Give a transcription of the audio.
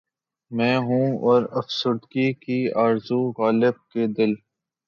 میں ہوں اور افسردگی کی آرزو غالبؔ کہ دل